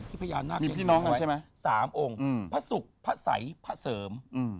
ที่พญานาคมีพี่น้องใช่ไหมสามองค์พระศุกร์พระสัยพระเสริม